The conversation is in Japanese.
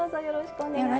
お願いいたします。